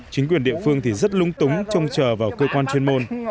chính quyền địa phương thì rất lung túng trông chờ vào cơ quan chuyên môn